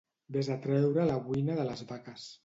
Ves a treure la buina de les vaques